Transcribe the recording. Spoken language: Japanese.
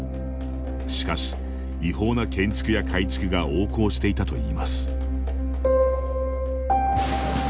しかし、違法な建築や改築が横行していたといいます。